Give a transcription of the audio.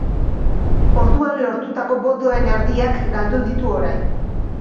Orduan lortutako botoen erdiak galdu ditu orain.